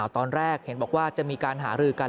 ตอนแรกเห็นบอกว่าจะมีการหารือกัน